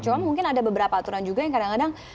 cuma mungkin ada beberapa aturan juga yang kadang kadang